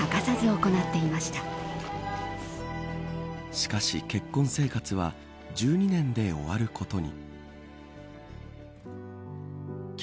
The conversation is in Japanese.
しかし、結婚生活は１２年で終わることに。